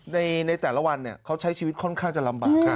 ในแต่ละวันเขาใช้ชีวิตค่อนข้างจะลำบาก